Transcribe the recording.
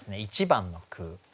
１番の句。